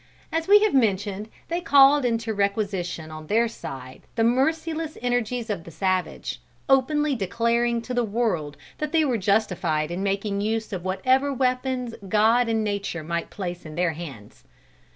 As we have mentioned they called into requisition on their side the merciless energies of the savage, openly declaring to the world that they were justified in making use of whatever weapons God and nature might place in their hands.